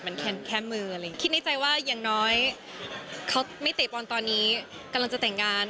มันแค่มืออะไรอย่างนี้คิดในใจว่าอย่างน้อยเขาไม่เตะบอลตอนนี้กำลังจะแต่งงาน